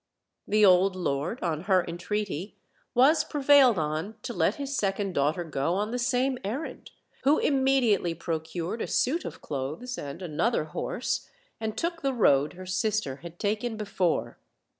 The old lord, on her entreaty, was prevailed on to let his second daughter go on the same errand, who imme diately procured a suit of clothes and another horse, and took the road her sister had taken before.